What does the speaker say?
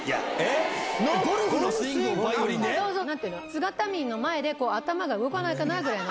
姿見の前で頭が動かないかな？ぐらいの。